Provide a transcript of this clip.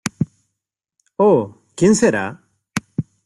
¡ oh!... ¿ quién será?